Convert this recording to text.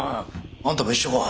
あんたも一緒か。